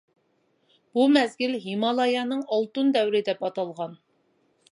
بۇ مەزگىل «ھىمالايانىڭ ئالتۇن دەۋرى» دەپ ئاتالغان.